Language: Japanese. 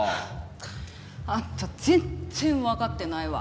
はああんた全然わかってないわ。